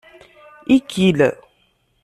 Ikil.